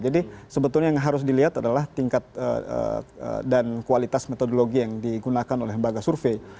jadi sebetulnya yang harus dilihat adalah tingkat dan kualitas metodologi yang digunakan oleh lembaga survei